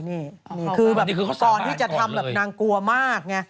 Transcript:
นี่คือก่อนที่จะทำเขากลัวมาก